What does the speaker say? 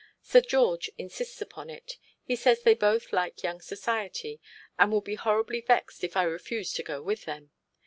Sir George insists upon it. He says they both like young society, and will be horribly vexed if I refuse to go with them.